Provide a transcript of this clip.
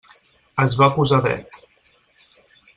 Es va posar dret.